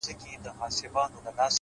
پرمختګ له زده کړې ځواک اخلي,